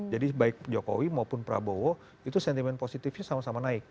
jadi baik jokowi maupun prabowo itu sentimen positifnya sama sama naik